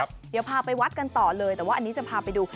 เดี๋ยวพาไปวัดกันต่อเลยแต่ว่าอันนี้จะพาไปดู